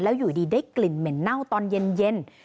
แล้วอยู่ดีได้กลิ่นเหม็นเน่าตอนเย็น